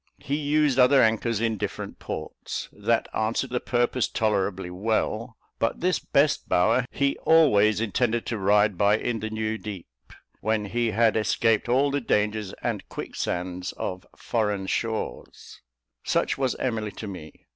He used other anchors in different ports, that answered the purpose tolerably well; but this best bower he always intended to ride by in the Nieu deep, when he had escaped all the dangers and quicksands of foreign shores: such was Emily to me.